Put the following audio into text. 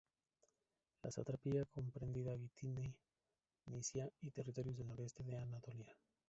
La satrapía comprendía Bitinia, Misia y territorios del noroeste de Anatolia.